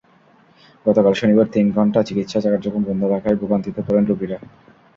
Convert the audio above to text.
গতকাল শনিবার তিন ঘণ্টা চিকিৎসা কার্যক্রম বন্ধ রাখায় ভোগান্তিতে পড়েন রোগীরা।